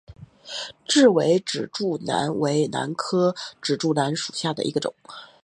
雉尾指柱兰为兰科指柱兰属下的一个种。